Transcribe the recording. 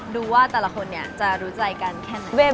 ดูว่าแต่ละคนจะรู้ใจกันแค่ไหน